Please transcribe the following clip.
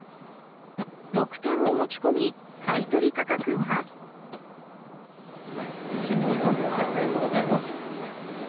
６点を持ち込み、買い取り価９万３１００円でございます。